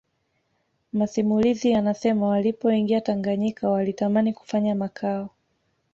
Masimulizi yanasema walipoingia Tanganyika walitamani kufanya makao